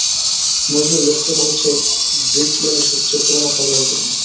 Nazrul restaurant হচ্ছে ব্রিকলেনের সবচেয়ে পুরোনো খাবারের দোকান।